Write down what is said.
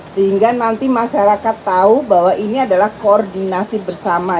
sehingga nanti masyarakat tahu bahwa ini adalah koordinasi bersama